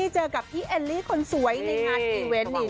เจอกับพี่เอิลลี่คนสวยในงาน